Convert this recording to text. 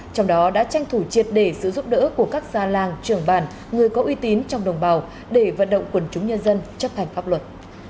trong đó đã tranh thủ triệt để sự giúp đỡ của các xa làng trưởng bản người có uy tín trong đồng bào để vận động quần chúng nhân dân chấp hành pháp luật